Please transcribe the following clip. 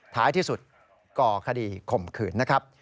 ท้ายที่สุดก่อคดีข่มขืนนะครับ